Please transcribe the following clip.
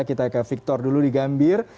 kita ke victor dulu di gambir